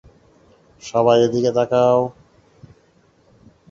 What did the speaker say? সবাই এদিকে তাকাও।